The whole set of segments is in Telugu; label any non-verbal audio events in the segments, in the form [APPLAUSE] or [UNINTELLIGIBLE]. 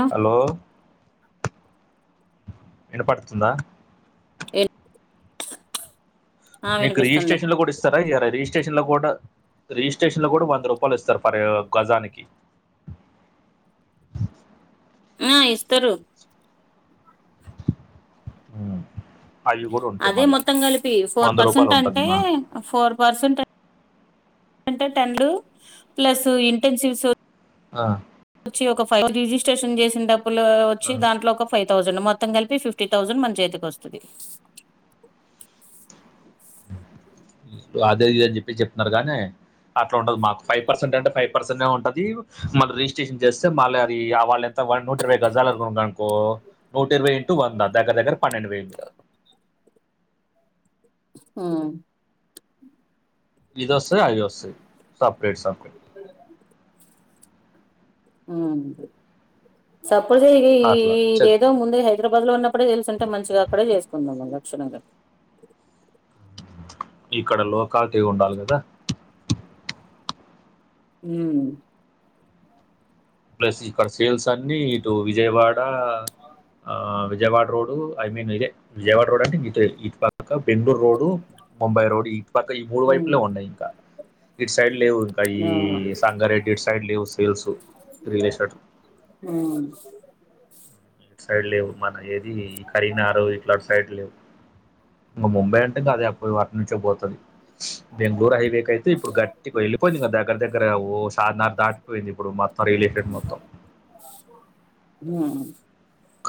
ను హలో ఇనపడుతుందా ఎన్ ఆ మీకు వినిపిస్తుంది రిజిస్ట్రేషన్ లో కూడా ఇస్త రా ఇయ్యరా రిజిస్ట్రేషన్ లో కూడా రిజిస్ట్రేషన్ లో కూడా వంద రూపాయలు ఇస్తారు పర్ గజానికి ఆ ఇస్తరు ఉ అదే మొత్తం కలిపి ఫోర్ రూపాయలు పర్సెంట్ ఉంటుంది అంటే మా ఫోర్ పర్సెంట్ అంటే టెన్ ప్లస్ ఇంటెన్షిప్స్ ఆ వచ్చి ఒక ఫైవ్ రిజిస్ట్రేషన్ చేసిన డబ్బులు ఆ. వచ్చి దాంట్లో ఒక ఫైవ్ థౌండ్ మొత్తం కలిపి ఫిఫ్టీన్ థౌసెండ్ మన చేతికి వస్తది ఇ అదే ఇది అని చెప్పి చెప్తున్నారు గానే అట్ల ఉండదు మాకు ఫైవ్ పర్సెంట్ అంటే ఫైవ్ పర్సెంటె ఉంటది మళ్ళ రిజిస్ట్రేషన్ చేస్తే మళ్ళ అది వాళ్ళ వన్ నూట ఇరవై గజాలు ఉందనుకో నూట ఇరవై ఇంటూ వందా దగ్గర దగ్గర పన్నెండు వేలు హూ ఇది వస్తది అవి వస్తాయి సపరేట్ స అ ఊ సపోజ్ ఇది ఈ అట్లా చెక్ ఇదేదో ముందే హె తిరపతి లో ఉన్నప్పుడే తెలుసుంటే మంచిగా అక్కడ చేసుకుందుము లక్షణంగా మీకు ఆడ లోకాలిటీ ఉండాలి కదా ఊ ప్లేస్ ఇక్కడ సేల్స్ అన్నీ ఇటు విజయవాడ ఆ విజయవాడ రోడు ఐ మీన్ ఇదే విజయవాడ రోడ్ అంటే ఇటే ఇటుప పక్క బెంగుళూరు రోడు ముంబై రోడ్ ఇటు పక్క ఈ మూడు ఉమ్ వైపులే ఉన్నాయి ఇంక ఇటు సైడ్ లేవు ఇంక ఈ అవును సాంగారెడ్డి ఇటు సైడ్ లేవు సెల్స్ రియలెస్టేట్ ఊ ఇటు సైడ్ లేవు మన ఏది ఈ కరీంనగరు ఇట్ల అటు సైడ్ లేవు ఇంక ముంబై అంటే కదే అప్పుడు అటు నుంచే పోతుది బెంగుళూరు హైవే కి అయితే ఇప్పుడు గట్టికి వెళ్ళిపోయింది ఇగ దగ్గర దగ్గర ఓ తాద్ నార్ దాటిపోయింది ఇప్పుడు మొత్త రియల్ ఎస్టెట్ మొత్తం ఊ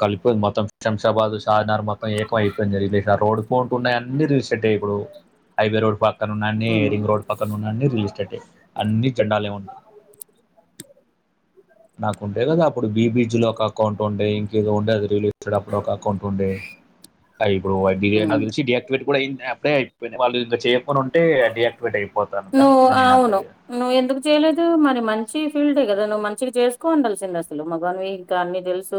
కలిపోయింది మొత్తం శంషాబాద్ షాద్ నగర్ మొత్తం ఏకం అయిపోయింది [UNINTELLIGIBLE] రోడ్డు పోటు ఉన్నాయన్నీ చూస్ క్కటి ఇప్పుడు హైవే రోడ్ పక్కన ఉన్నన్నీ ఉమ్ రింగ్ రోడ్ పక్కన ఉన్నాన్నీ రియలెస్టేట్టే అన్నీ చండాలేమున్ నాకు ఉంటే కదా అప్పుడు బీ బీ జీ లో ఒక అకౌంట్ ఉండే కేదో ఉండే అది రిలీ [UNINTELLIGIBLE] అప్పుడు ఒక అకౌంట్ ఉండే అయి ఇప్పుడు వడ్డిగే నాకు ఉమ్ తెలిసి డీయా కివేట్ కూడా అయిందే అప్పుడే అయిపోయినై వాళ్ళు ఇంకా చేయకునుంటే డియాక్టివేట్ అయిపోతాను కానీ నువ్వు ఇంక నేను అట్లే అవును [INAUDIBLE] నువ్వు ఎందుకు చెయ్యలేదు మరి మంచి ఫీల్డే కదా నువ్వు మంచిగా చేసుకోవుండాల్సింది అసలు మగానివి కా అన్నీ తెలుసు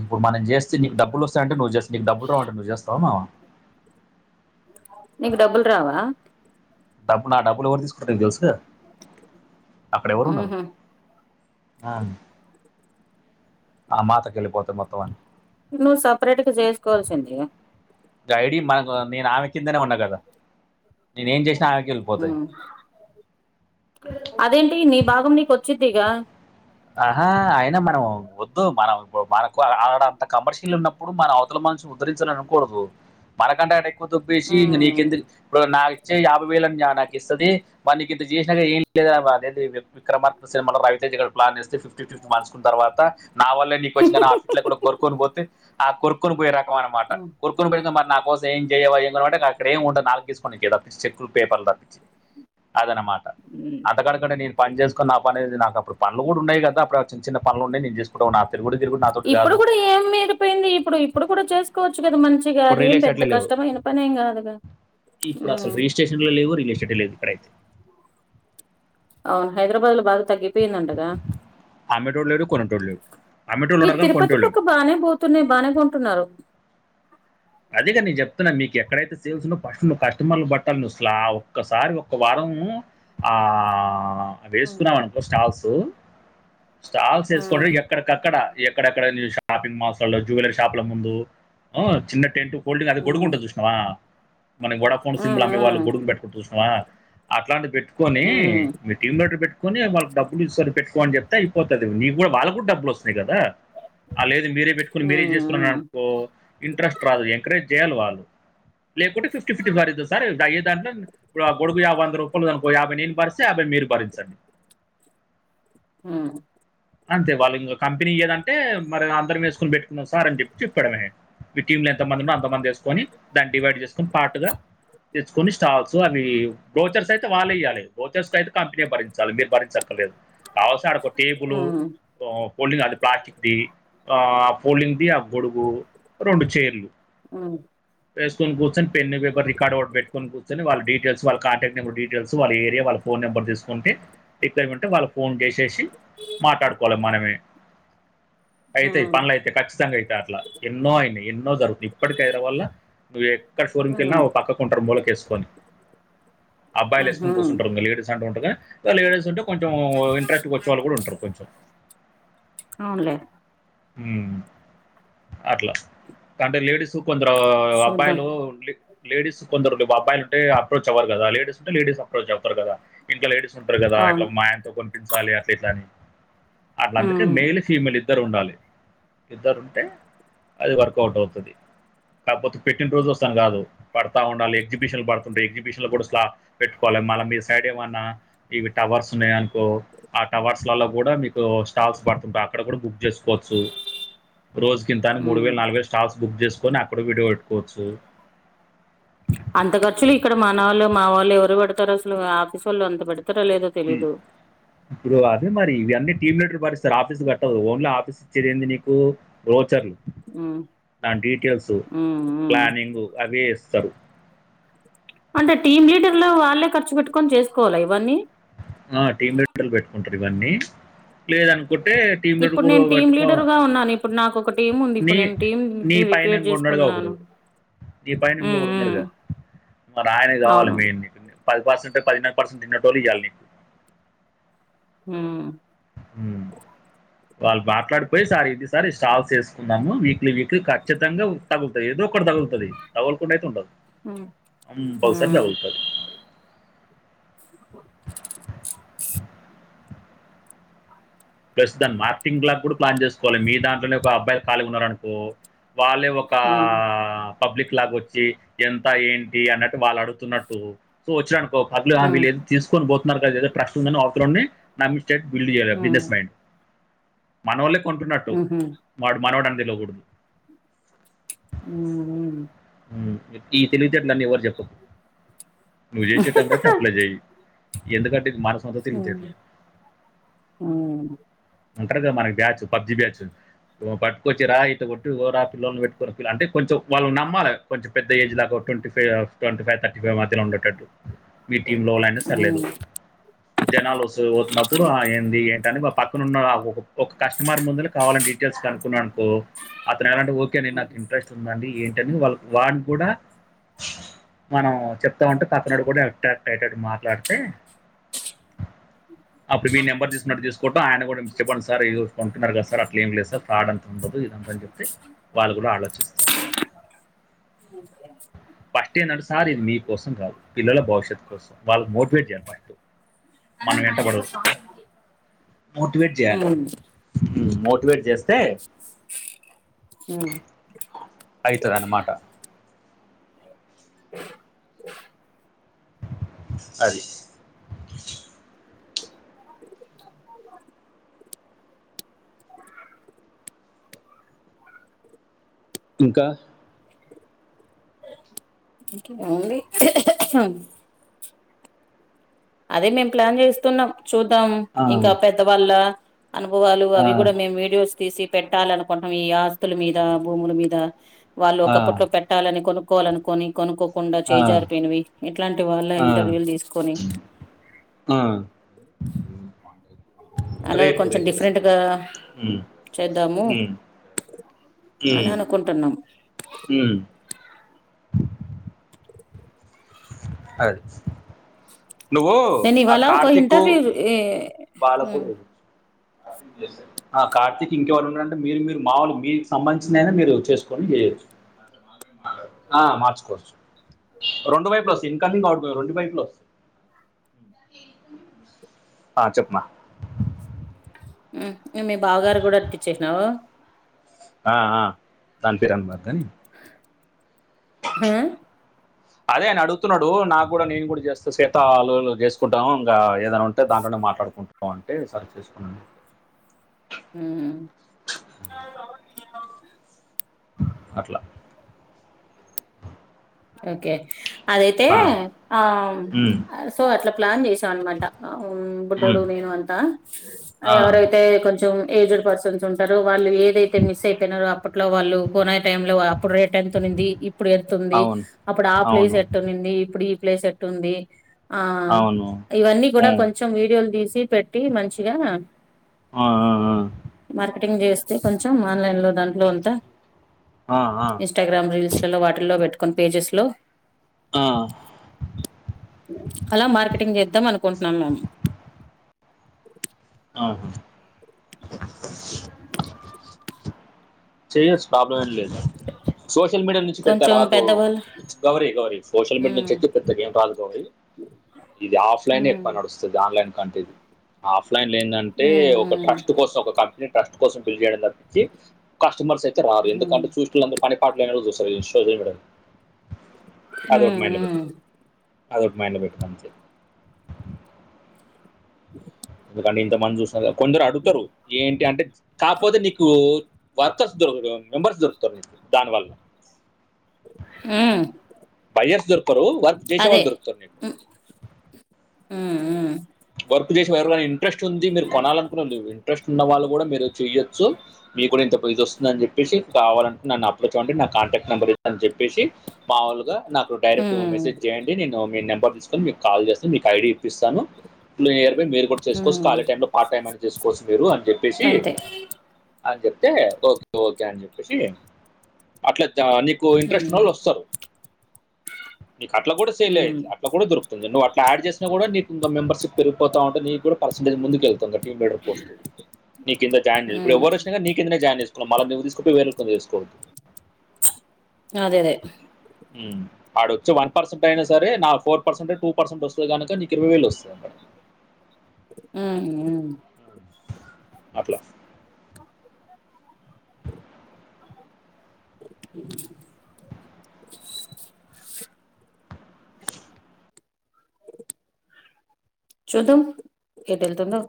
ఇప్పుడు మనం చేస్తే నీ డబ్బులు వస్తాయంటే నువ్వు చేస్ నీకు డబ్బులు రావంటే నువ్వు చేస్తావామా నీకు డబ్బులు రావా డబ్బు నా డబ్బులు ఎవరు తీసుకుంటరు నీకు తెలుసు కదా అక్కడ ఎవరున్నారు ఉహు ఆమ్ ఆ మాతకి ఎళ్ళిపోతాయి మొత్తం అన్నీ నువ్వు సపరేట్ గా చేసుకోవాల్సింది గా ఐ డి మనకు నేను ఆమె కిందనే ఉన్నా గదా నేను ఏం చేసినా ఆమెకి ఎళ్ళిపోతాయి ఉమ్ అదేంటి నీ భాగం నీకు వచ్చుద్దిగా ఆహా అయినా మనం ఒద్దు మనం బో బనకు ఆ ఆడంత కమర్షియల్ ఉన్నప్పుడు మన అవతల మనిషు ఉద్దరించలనకూడదు మనకంటే ఆడు ఎక్కువ దొబ్బేసి ఇంగ ఉమ్ నీకెందుకు ఇప్పుడు నాక్ చ్చే యాభై వేలని యా నాకు ఇస్తుది వానికి ఇంత చేసినాక ఏం లేదా [UNINTELLIGIBLE] విక్రమార్కుడు సినిమాలో రవితేజ గడు ప్లాన్ జేస్తే ఫిఫ్టీ ఫిఫ్టీ మంచుకున్న తర్వాత నా వల్లే నీకొచ్చిందని ఆ ఫిట్ల కూడా కోర్కొనిపోతే ఆ కొర్కునిబోయ్యే రకం అన్మాట ఉమ్, కొరు తుంటదిగా మరి నా కోసం ఏం జేయ్యవా ఏం గనం అంటే ఇంగ అక్కడేం ఉండది నాలుక గీస్కొనికి ‌తప్పిచ్చి చెక్కులు పేపర్లు తప్పిచ్చి అది అనమాట ఊ త్త కాడ కాడ నేను పనిజేసుకొని నా పనేంది నాకప్పుడు పనులు గూడా ఉన్నాయి గదా అపుడు ఆ చిన్చిన్న పనులుండే నేను జేసు ఇప్పుటు నా తిరుగుడు తిరుగుడు నాతోటి గాదు పోయింది ఇప్పుడు ఇప్పుడు కూడా చేసుకోవచ్చు గదా మంచ్ ఇగా ఇప్పుడు రియల్ అదేం పెద్ద ఎస్టేట్లో లేవు కష్టమైన పనేేం కాదుగా ఉమ్ స్టేషన్లో లెవ్వు రిల్వ స్టేట్లో ఇక్కడైతే అవును హైద్రాబాద్ లో బాగ తగ్గిపోయిందంటగా అమ్మేటోడు లేడు కొనేటోడు లేడు అమ్మేటోళ్ళు ఈ ఉన్నారు కానీ తిరుపతి కొనేటోళ్ళు లేడు పక్క బాగానే పో తున్నై బానే కొంటున్నారు అదేగా నేజెప్తున్నా మీకెక్కడైతే సేల్స్ ఉన్నో ఫస్ట్ నువ్వు కస్టమర్లు బట్టాలి నువ్వుస్లా ఒక్కసారి ఒక్క వారమూ ఆ ఆ ఉమ్ వేసుకున్నాం అనుకో స్టాల్సు స్టాల్సు ఏస్కోని ఉమ్. ఇగా ఎక్కడికక్కడ ఎక్కడెక్కడెల్లి షాపింగ్ మాల్స్ లల్ల జూలెరీ షాప్ల ముందు చిన్న టెంటు హోల్డింగ్ అది ఉమ్, గొడుగుంటది జూశ్నావా మన ఓడా ఫోన్ సిమ్ల్ అమ్మేవాళ్ళు, ఉమ్, గొడుగున్బెట్ జూస్నవా అట్లాంటి బెట్టుకొని ఉమ్, మీ టీమ్మేటర్ బెట్ కొని వాళ్ళక్ డబ్బులు ఇస్తరు పెట్టుకో అన్జెప్తే అయిపోతది నివ్వే వాళ్ళగ్గూడా డబ్బులోస్తున్నాయి కదా ఆ లేదు మీరే బెట్టుకొని ఉమ్, మీరే ఉమ్, జేస్కుకున్మనుకో ఇంట్రెస్ట్ రాదు ఎంకరేజ్ జెయ్యాలి వాళ్ళు లేకుంటె ఫిఫ్టీ ఫిట్ వారింద సార్ అయ్యేదంట్లన్ ఇప్పుడా గొడుగు యాబ్ వంద రూపలు అనుకో యాభై నేను భరిస్తే యాభై మీరు భరించండి ఉమ్ అంతే వాళ్ళింగా కంపెనీ ఇయ్యదంటే మరి అందరం ఏస్కొని బెట్టుకున్నాం సార్ అని జెప్పి జెప్పడమే మీ టీమ్ లో ఎంత మంది ఉన్నా అంత మంది ఏస్కొని దాన్ని డివైడ్ జేస్కొని పాట్టుగా దెచ్చుకొని స్టాల్సు అవి బ్రోచర్స్ అయితే వాళ్ళే ఇయాలే ఓచర్స్ కైతే కంపెనే భరించాలి మీరు భరించక్కర్లేదు కావాల్సిన ఆడొక టేబులు ఉమ్, తో పోలింగ్ అది ప్లాస్టిక్ది ఆ పోలింగ్ది ఆ గొడుగు రొండు చేర్లు ఉమ్ ఏస్కొన్ గూర్చొన్ పెన్ను పేపర్ రికార్డ్ ఓట్ బెట్టుకొని గూర్చొని వాళ్ళ డీటేల్సు వాళ్ళ కాంటాక్ నెంబర్ డీటేల్సు వాళ్ళ ఏరియా వాళ్ళ ఫోన్ నెంబర్ దీస్కుంటే రిక్వైర్మెంట్ వాళ్ళ ఫోన్కేశేషి ఇ మాట్టాడుకోలే మనమే అయితయ్ ఉమ్, పన్లైతాయ్ ఖచ్చితంగా అయితే అట్లా ఎన్నో అయినాయి ఎన్నో జరుగుతయ్ ఇప్పటికై హైదరాబాదుల నువ్వెక్కడ ఫోర్మికెళ్ళినా ఉమ్, ఓ పక్కకుంటారు మూలకేస్కొని అబ్బాయిలేస్కుని ఉమ్. గూసుంటరు ఇంగా లేడస్ అంటుంటర్గాన్ లేడీస్ ఉంటే కొంచము ఇంట్రెస్ట్గోచ్చే వాళ్ళు గూడా ఉంటరు కొంచం అవునులే హుమ్ అట్లా అంటే లేడీసు కొందరూ చూద్దాం అబ్బాయిలు ఉండ్లీ లేడీస్ కొందరులు బబ్బాయిలుంటే అప్రోచ్ అవ్వరు గదా లేడీస్ ఉంటే లేడీస్ అప్రోచ్ అవుతారు గదా ఇంట్ల లేడీస్ ఉంటరు గదా అవును ఇట్లా మాయనతో కొనిపించాలి అట్ల ఇట్ల అని అట్లా అందుకే ఉమ్, మేలే ఫీమెల్ ఇద్దరుండాలి ఇద్దరు ఉంటే అది వర్క్ అవుట్ అయితది కాపోతే పెట్టిన్రోజొస్తాను గాదు పడ్తా ఉండాలి ఎగ్జిబిషన్ బడుతుంటాయి ఎగ్జిబిషన్లు గూడాస్లా పెట్టుకోలె మళ్ళ మీ సైడ్ ఏమన్న ఇవి టవర్స్ ఉన్నయ్ అనుకో ఆ టవర్స్లల్లో గుడ మీకు స్టాల్స్ పడుతుంట అక్కడ గుడ బుక్ చేస్ కొచ్చు రోజుకు ఇంతని మూడు ఉమ్. వేల నలువైల్ స్టాల్స్ బుక్ చేసుకొని అక్కడ విడ్పెట్కొవచ్చు అంత ఖర్చులు ఇక్కడ మన ఒళ్ళు మా వాళ్ళు ఎవరు పెడతరు అసలు ఆఫీస్ వాళ్ళు అంత పెడతర లేద ఉ ఇప్పుడు అదే మరి ఇవ అన్నీ టీమ్ లీడర్ పరిస్తరు ఆఫీస్ వట్టదు ఓన్లీ ఆఫీస్ ఇచ్చరెంది నీకు వోచర్లు ఉమ్, నా డీటేల్సు ఉమ్, ఉమ్. ప్లానింగు అవి ఇస్తరు అంటే టీమ్ లీడర్లు వాళ్ళే ఖర్చు బెట్టుకొని చేసుకోవాలా ఇవన్ని ఆ టీమ్ లీడర్లు పెట్టుకుంటరివన్నీ లేదనుకుంటే టీం లీడ్రు ఇప్పుడు గూడా నేను టీమ్ బెట్టుకోను లీడర్ గా ఉన్నాను ఇప్పుడు నాకు ఒక టీం ఉంది నీ ఇప్పుడు నేను టీం నిపైన క్రియేట్ ఇంకోడుంటడుగా చేసుకున్నాను ఒకడు నీ పైన ఉమ్, ఉమ్. ఇంగోగడున్నడుగా బట్ ఆయన గావల అవును మెయిన్ పది పర్సెంట్ పదిన్నర పర్సెంట్ ఇండేటోళ్లు ఇయ్యాల నీకు ఉ ఊ వాళ్ళు మాట్లడిపోయ్ సారిది సార్ ఇ స్టాల్స్ ఏసుకుందము వీక్లీ వీక్లీ ఖచ్చితంగ ఉ తగులుతయ్ ఏదో ఒక్కటి తగులుతది తగలుకుండయితే ఉండదు ఉమ్. కంపల్సరి ఉంది తగులుతది [INAUDIBLE] ప్లస్ దాన్ని మార్క్టింగ్ లాగ్గుడ ప్లాన్ చేసుకోలె మీ దాంట్లనే ఒక అబ్బాయిలు ఖాలీ ఉన్నరానుకో వాళ్ళే ఒకా పబ్లిక్ లాగొచ్చి ఎంత ఏంటి అన్నట్టు వాళ్లడుగుతున్నట్టు సో ఒచ్చిరనుకొ పర్లేదు ఆ వీళ్ళేదొ తీసుకొని బోతున్నరు గద ఇదేదో ట్రక్స్ ఉందని అవతలోన్ని నమ్మిచ్చెట్టు బిల్డ్ జెయాలె బిజినెస్ మనవాళ్ళే కొంటున్నట్టు వాడు మనోడని దెల్వగూడదు ఉ ఉ ఈ తెలివితేట్లన్నీ ఎవర్ జెప్పకు నువ్ చేసేటట్టయితే అప్లై జెయ్యి ఎందుకంటె ఇది మన సొంత తెలివితేట్లు అంటర్గా మనకి బ్యాచ్ పబ్జీ బ్యాచ్చని ఓ పట్టుకొచ్చిరా ఈత కొట్టుడు కోరా పిల్లల్ని పెట్టుకొని పిలా అంటే కొంచం వాళ్ళు నమ్మాలె కొంచం పెద్ద ఏజ్ లా ఒ twenty five of twenty five thirty five మధ్యలో ఉండేటట్టు మీ టీమ్లొ వాళ్లయిన సర్లేదు జనాలొస్తరు వొచ్చిప్పుడు ఆ ఏంది ఏంటని మా పక్కనున్న ఒక కస్టమర్ ముందల కావలనిడ్ స్ కనుకున్నడనుకో అతను ఎలాంటె ఓకే అండి నాకు ఇంట్రెస్ట్ ఉందండి ఏంటని వాల్ వాన్ కుడ మనం చెప్తాంటే పక్కనొడు కూడ కనెక్టయ్యేటట్టు మాట్లడితే [INAUDIBLE] అప్పుడు మీ నెంబర్ తీసుకునట్టు తీసుకుంట ఆయన గుడ మి చెప్పండి సర్ [UNINTELLIGIBLE] సర్ అట్లేం లేద్ సర్ రాడం [INAUDIBLE] [INAUDIBLE] అన్జెప్తే వాళ్ళు గుడ ఆలోచిస్తారు [UNINTELLIGIBLE] ఫస్ట్ ఏందంటే సార్ ఇది మీ కోసంగాదు పిల్లల భవిష్యత్ కోసం వాళ్ళన్ మోటివేట్ జెయన్డి ఫస్ట్ మనం ఎంతబడొద్ మోటివేట్ చేయాలి ఉమ్ మోటివేట్ జేస్తె ఉ అయితదన్నమాట [INAUDIBLE] అది [INAUDIBLE] ఇంక ఏముంది అదే మేం ప్లాన్ జేస్తున్నం చూద్దాం ఆ, ఇంక పెద్దవాళ్ళ అనుభవాలు ఆ, అవి గుడ మేమ్ వీడియోస్ తీసి పెట్టాలనుకటం ఈ ఆస్తుల మీదా భూముల మీదా వాళ్ళు ఆ, ఒకప్పట్లో పెట్ ట్టాలని కొనుక్కోవలనికొని కొనుక్కోకుండ ఆ, చేయ్ జారిపోయినవి ఇట్లాంటి వాళ్ళ ఆ, ఇంటర్వ్యూలు దీసుకొని ఆ అలా రేప్ కొంచెం రేపోస్ డిఫరెంట్ గా మ్ చేద్దాము మ్ మ్ కొంటన్నం మ్ అది నువ్వు నేనివాళ ఒక ఇంటర్వ్యూ ఎ పాలపుడి [UNINTELLIGIBLE] ఆ కార్తీకి ఇంకెల్లున్నరంటే మీరు, మీరు మావోలు మీకు సంబంచిదైన మీరు చేసుకొని చేయొచ్చు. ఆ మార్చుకోచ్చు రెండు వైపులోస్తయ్ ఇన్కమింగ్, ఔట్గోయింగ్ రెండు వైపుల ఒస్. అ చెప్మా మ్ [UNINTELLIGIBLE] మీ బావగారు గూడ అత్తిచ్చేస్నయ్ ఆ ఆ దన్ ఫిరన్ మాగ్గని హ ఆ అదే అన్ని అడుగుతున్నడు నాగూడ నేన్ గూడ జెస్త సితాలులు జేస్కుంటాంగా ఏదన ఉన్. టె దాంట్లోనే మాట్లాడుకుంటాం అంటే సరె చేసుకొండి ఉమ్ అట్లా ఓకే అదైతే ఆ, ఆమ్ ఉమ్, ఆ సో అట్ల ప్లాన్ చేసామన్మాట. అవున్ బుడ్డోడు ఉమ్, నేను అంతా ఆ, ఎవరైతే కొంచెం ఏజ్డ్ పర్స్. కొంచెంటరో వాళ్ళు ఏదైతే మిసైపేనరొ అప్పట్లో, వాళ్ళు గొనాయి టైం లో అప్పుడు రేట్ ఎంతునింది ఇప్. ఇప్పుడెంతుంది అవును అప్పుడు ఆ ప్లేస్ అవును ఎట్టునూన్ది, ఇప్పుడు ఈ ప్లేస్ ఎట్టుంది? ఆ అవును ఇవన్నీ గూడ ఉమ్, కొంచెం వీడియోలు తీసి పెట్టి మంచిగా. ఆ, ఆ, ఆ. మార్కెటింగ్ చేస్తే కొంచెం ఆన్లైన్ లో దాంట్లో అంత ఆ ఆ ఇంస్టాగ్రామ్ రీల్స్లలో వాటిల్లో బేట్కొని పేజెస్లో ఆ అలా మార్కెటింగ్ చేద్దాం అనుకుంటున్నాం మేం ఆహ చేయచ్చు ప్రాబ్లం ఏం లేదు సోషల్ మీడియా నుంచి పెద్ద కొంచెం రాదూ పెద్దవాళ్ళు గౌరీ గౌరీ సోషల్ ఉమ్ మీడ్నుంచైతే పెద్ద గేం రాదు గౌరీ ఇది ఆఫ్లైనే ఉమ్ ఎక్కువ నడుస్ స్సది ఆన్లైన్ కంటెది ఆఫ్లైన్ లేన్దంటే ఒక ట్రస్ట్ ఉమ్ కోసం ఒక కం పిని ట్రస్ట్ కోసం బిల్డ్ చేయడం తపిచ్చి కస్టమర్స్ అయితే రారు ఉమ్ ఎందుకంటె చూసేటొళ్లందరు పని పాట లేనోళ్ళు చూస్తరు ఇన్స్టా లేం చూడరు అదోటి ఉమ్ మైండ్ ల ఉమ్ పెట్టుకో. అదోటి మైండ్ ల పెట్టుకో అంతే ఎందుకంటె ఇంత మంద్జూస్న్నరూ [UNINTELLIGIBLE] కొందరు అడుగుతరు ఏంటి అంటె కాక్పోతే నీకూ. వర్కర్స్ దొరకరు మెంబర్స్ దొర్కుతరు నీకు దాన్వల్ల మ్ బయర్స్ దొర్కరు వర్క్ జేసేవాల్ దొరుక్తరు నీకు ఉ ఊ మ్ వర్క్ జేసే వెరె వ ఇంట్రెస్ట్ ఉంది మీర్ కొనాలన్కునొలు ఇంట్రెస్ట్ ఉన్న వాళ్ళు గూడ మీరు చెయ్యొచ్చు మీ కూడ ఇంత ప్రైస్ వస్తుందన్ జేప్ ప్పేసి కావాలంటే నన్ను అప్రోచ్ అవ్వండి నా కాంటాక్ట్ నెంబర్ ఇత్త అని చెప్పేసి మాములుగా నాకు డైరెక్ట్ ఉమ్ మెసేజ్ చేయండి నేను మీ నెంబర్ తీసుకొని మీకు కాల్ చేస్తను మీకు ఐడీ ఇప్పిస్తాను. నియర్ బై మీరు కూడ చేసుకోవచ్చు ఉమ్ ఖాళీ టైమ్ లో పార్టైం అయిన చేసుకోవచ్చు మీరు అని చెప్పేసి అంతే అని చెప్తే ఓకే ఓకే అని చెప్పేసి అట్ల జా నిక్ కో ఇంట్రెస్ట్ ఉమ్ ఉన్నోలోస్తారు నీకు అట్లా కూడా సేలే ఉమ్ అట్ల కూడా దొరుక్తుంది నువ్వట్లా ఆడ్ చేసిన కూడా నీకు మెంబర్షిప్ పెరిగితావుంటే నీగ్గూడా పర్సంటేజ్ ముందుకెళ్తది. టీమ్ లీడర్ పోస్ట్ నీ కింద జాయిన్ జే ఉమ్ ఇప్పుడెవ్వరొచ్చినా జాయిన్ జేసు కు మళ్ళ నువ్ తీస్కపోయ్ వేరోకల్ని చేస్కోద్దు. అదేదే ఆడొచ్చే వన్ పర్సెంటైనా సరే నా ఫోర్ పర్సెంటై టూ పర్సెంటొస్తే కనుక నీకు ఇరవై వేలొస్తై అక్కడ ఉమ్ ఉ ఉమ్. అట్లా చూద్దాం ఎటెల్తుందో